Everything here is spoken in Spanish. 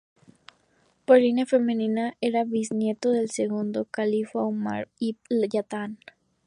Por línea femenina era bisnieto del segundo califa Úmar ibn al-Jattab.